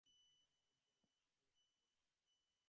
অনুসন্ধান ও উদ্ধার অভিযান শুরু করা হোক।